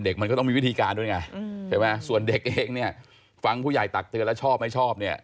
เด็กเองฟังผู้ใหญ่ตักเตือนแล้วชอบไม่ชอบ